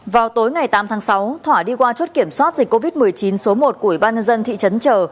vào tối ngày tám tháng sáu thỏa đi qua chốt kiểm soát dịch covid một mươi chín số một của ủy ban nhân dân thị trấn chờ